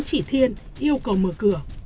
kỷ thiên yêu cầu mở cửa